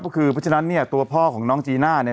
เพราะฉะนั้นตัวพ่อของน้องจีน่า